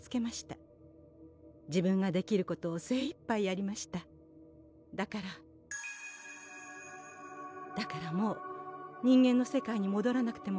自分ができることを精一杯やりましただからだからもう人間の世界にもどらなくてもかまいませんよ